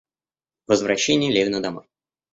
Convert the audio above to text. Возвращение Левина домой.